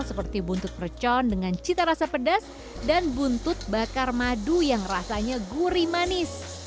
seperti buntut percon dengan cita rasa pedas dan buntut bakar madu yang rasanya gurih manis